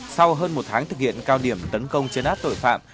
sau hơn một tháng thực hiện cao điểm tấn công chấn áp tội phạm